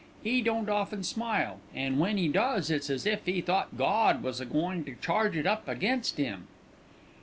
'E don't often smile, an' when 'e does it's as if 'e thought Gawd was a goin' to charge it up against 'im."